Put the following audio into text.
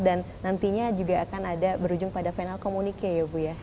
dan nantinya juga akan ada berujung pada final communique ya bu ya